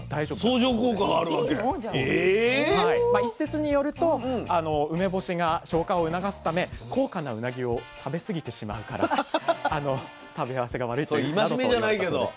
一説によると梅干しが消化を促すため高価なうなぎを食べ過ぎてしまうから食べ合わせが悪いなどといわれたそうです。